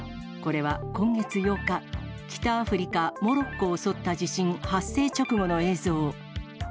これは今月８日、北アフリカ・モロッコを襲った地震発生直後の映像。